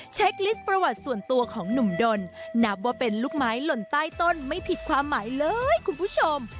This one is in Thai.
เช็คลิสต์ประวัติส่วนตัวของหนุ่มดนนับว่าเป็นลูกไม้หล่นใต้ต้นไม่ผิดความหมายเลยคุณผู้ชม